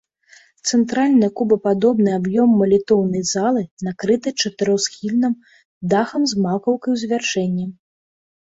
Цэнтральны кубападобны аб'ём малітоўнай залы накрыты чатырохсхільным дахам з макаўкай у завяршэнні.